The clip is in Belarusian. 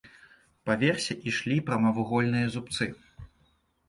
Па версе ішлі прамавугольныя зубцы.